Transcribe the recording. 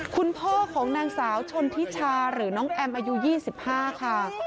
คุณพ่อของแน่งสาวชนทิชาหรือน้องแอมอายุยี่สิบห้าค่ะ